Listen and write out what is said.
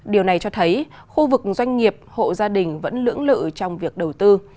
điều này cho thấy khu vực doanh nghiệp hộ gia đình vẫn lưỡng lự trong việc đầu tư